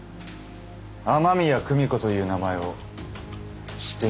雨宮久美子という名前を知っていますか？